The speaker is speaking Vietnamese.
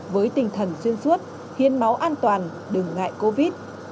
với tinh thần xuyên suốt hiến máu an toàn đừng ngại covid